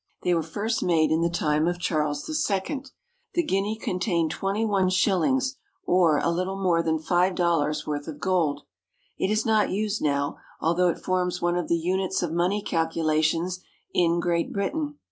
They were first made in the time of Charles II. The guinea contained twenty one shillings, or a little more than five dollars* worth of gold. It is not used now, although it forms one of the units of money calculations in Great Britain.